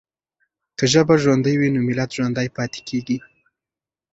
که ژبه ژوندۍ وي نو ملت ژوندی پاتې کېږي.